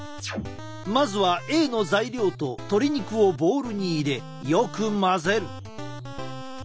まずはＡの材料と鶏肉をボウルに入れよく混ぜる。